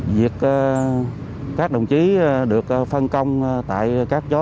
việc các đồng chí được phân công tại các gió